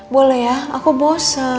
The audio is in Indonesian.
boleh ya aku bosen